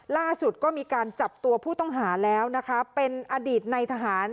ล่าสุดก็มีการจับตัวผู้ต้องหาแล้วนะคะเป็นอดีตในทหาร